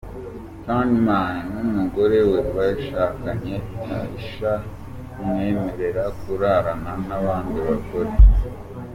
Candyman n’umugore we bashakanye Taesha umwemerera kurarana n’abandi bagore.